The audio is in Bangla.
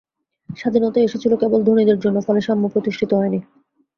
স্বাধীনতা এসেছিল কেবল ধনীদের জন্য, ফলে সাম্য প্রতিষ্ঠিত হয়নি।